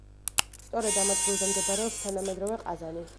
სწორედ ამ ადგილზე მდებარეობს თანამედროვე ყაზანი.